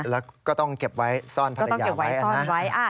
แล้วก็ต้องเก็บไว้ซ่อนภัตติอย่างไว้